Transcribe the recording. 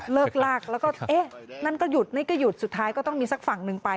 เลิกลากแล้วก็เอ๊ะนั่นก็หยุดนี่ก็หยุดสุดท้ายก็ต้องมีสักฝั่งหนึ่งไป